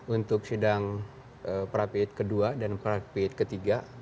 untuk sidang perapiat kedua dan perapiat ketiga